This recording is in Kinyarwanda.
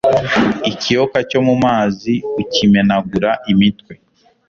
ikiyoka cyo mu mazi ukimenagura imitwe